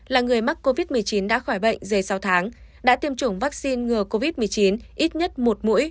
là người mắc covid một mươi chín đã khỏi bệnh dày sáu tháng đã tiêm chủng vaccine ngừa covid một mươi chín ít nhất một mũi